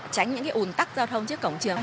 tránh những ủng tắc giao thông trước cổng trường